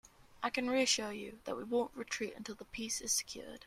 I can reassure you, that we won't retreat until the peace is secured.